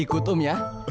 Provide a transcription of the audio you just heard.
ikut om ya